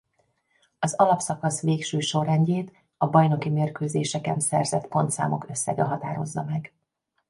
Az alapszakasz végső sorrendjét a bajnoki mérkőzéseken szerzett pontszámok összege határozza meg.